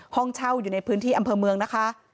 ห้องเช่าอยู่ในพื้นที่อำเภอเมืองนะคะ